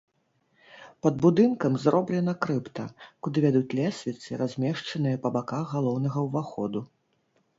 Пад будынкам зроблена крыпта, куды вядуць лесвіцы, размешчаныя па баках галоўнага ўваходу.